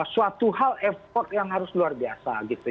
suatu hal effort yang harus luar biasa gitu